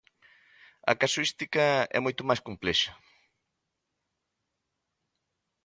A casuística é moito máis complexa.